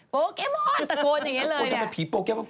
โปเกมอนตะโกนอย่างนี้เลยโปเกมอนเป็นผีโปเกมอน